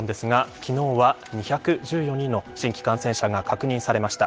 昨日は、２１４人が新規感染者が確認されました。